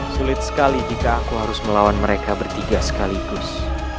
sulit sekali jika aku harus melawan mereka bertiga sekaligus